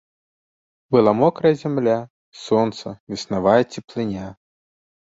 Была мокрая зямля, сонца, веснавая цеплыня.